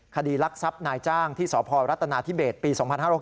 คดีรักทรัพย์นายจ้างที่สพรัฐนาธิเบศปี๒๕๖๒